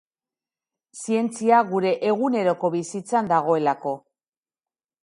Zientzia gure eguneroko bizitzan dagoelako.